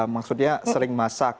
maksudnya sering masak